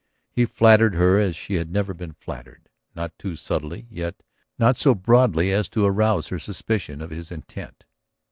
He flattered her as she had never been flattered, not too subtly, yet not so broadly as to arouse her suspicion of his intent.